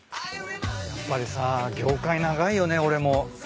やっぱりさ業界長いよね俺も。